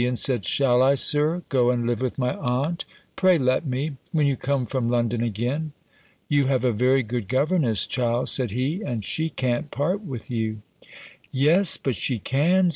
and said, "Shall I, Sir, go and live with my aunt? Pray let me, when you come from London again." "You have a very good governess, child," said he; "and she can't part with you." "Yes, but she can.